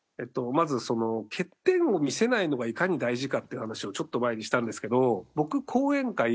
まず欠点を見せないのがいかに大事かっていう話をちょっと前にしたんですけど。